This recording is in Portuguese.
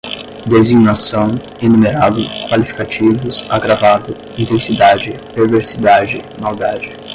designação, enumerado, qualificativos, agravado, intensidade, perversidade, maldade